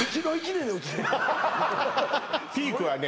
ピークはね